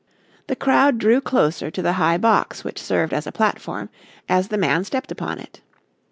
The crowd drew closer to the high box which served as a platform, as the man stepped upon it.